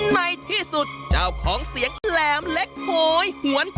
ในที่สุดเจ้าของเสียงแหลมเล็กโหยหวน